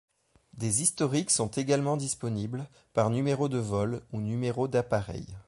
Des historiques sont également disponibles, par numéro de vol ou numéro d'appareil.